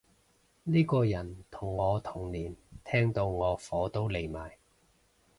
呢個人同我同年，聽到我火都嚟埋